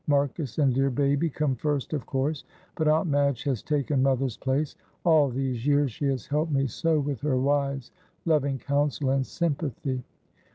"Marcus and dear baby come first, of course, but Aunt Madge has taken mother's place. All these years she has helped me so with her wise, loving counsel and sympathy."